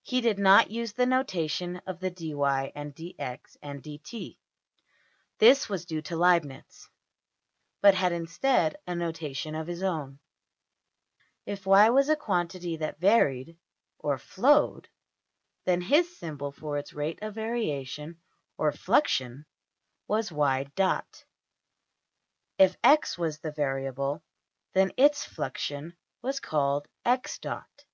He did not use the notation of the $dy$ and~$dx$, and~$dt$ (this was due to Leibnitz), but had instead a notation of his own. If $y$ was a quantity that varied, or ``flowed,'' then his symbol for its rate of variation (or ``fluxion'') was~% \DPPageSep{071.png}% $\dot{y}$. If $x$ was the variable, then its fluxion was called~$\dot{x}$.